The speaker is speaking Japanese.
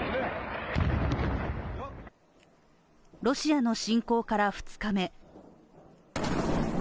ロシアの侵攻から２日目。